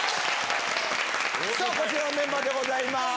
こちらのメンバーでございます。